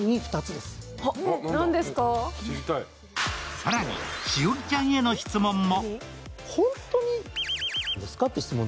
更に、栞里ちゃんへの質問も。